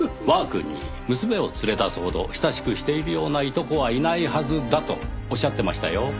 わーくんに娘を連れ出すほど親しくしているようないとこはいないはずだとおっしゃってましたよ。